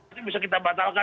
ini bisa kita batalkan